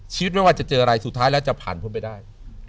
ไม่ว่าจะเจออะไรสุดท้ายแล้วจะผ่านพ้นไปได้